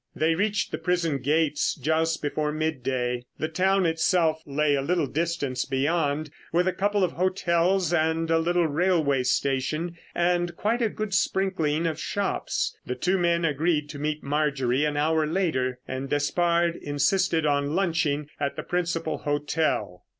They reached the prison gates just before mid day. The town itself lay a little distance beyond, with a couple of hotels and a little railway station, and quite a good sprinkling of shops. The two men agreed to meet Marjorie an hour later, and Despard insisted on lunching at the principal hotel.